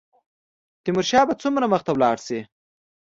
تیمورشاه به څومره مخته ولاړ شي.